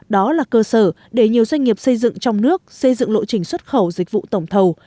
đó là cơ sở để nhiều doanh nghiệp xây dựng trong nước xây dựng lộ trình xuất khẩu dịch vụ tổng thầu